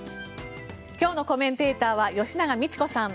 今日のコメンテーターは吉永みち子さん